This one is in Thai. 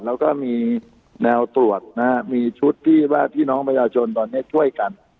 แล้วก็มีแนวตรวจนะฮะมีชุดที่ว่าพี่น้องประชาชนตอนนี้ช่วยกัน